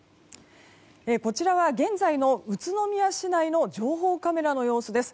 現在の宇都宮市内の情報カメラの様子です。